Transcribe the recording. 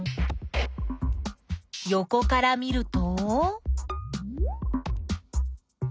よこから見ると？